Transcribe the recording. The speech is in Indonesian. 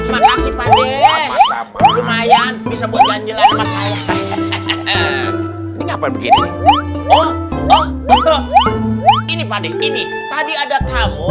makasih pak dek lumayan bisa buat janjilan masalah ini apa begini oh ini tadi ada tamu